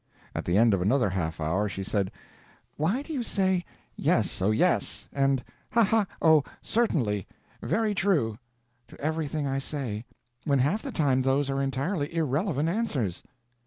At the end of another half hour she said, "Why do you say, 'Yes, oh yes!' and 'Ha, ha, oh, certainly! very true!' to everything I say, when half the time those are entirely irrelevant answers?"